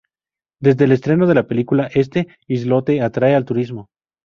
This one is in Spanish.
Desde el estreno de la película, este islote atrae al turismo.